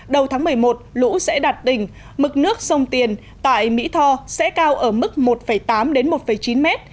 đầu tháng một mươi một lũ sẽ đạt đỉnh mực nước sông tiền tại mỹ tho sẽ cao ở mức một tám đến một chín mét